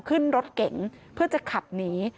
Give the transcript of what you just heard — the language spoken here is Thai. ขึ้นรถเก๋งเพื่อจะขับหนี